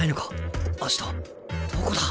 どこだ？